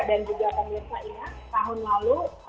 dan juga pemerintah ini tahun lalu